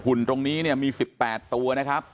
ตรงนี้เนี่ยมี๑๘ตัวนะครับ